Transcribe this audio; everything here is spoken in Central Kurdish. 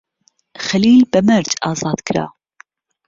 خەلیل بە مەرج ئازاد کرا.